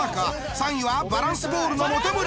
３位はバランスボールの本村。